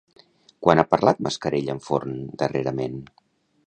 Quan ha parlat Mascarell amb Forn, darrerament?